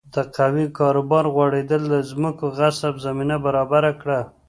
د قهوې کاروبار غوړېدل د ځمکو غصب زمینه برابره کړه.